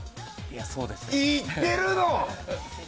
いってるの！